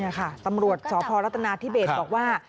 นี่ค่ะตำรวจสพรัฐนาธิเบศบอกว่า